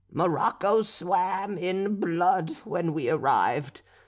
"Morocco swam in blood when we arrived.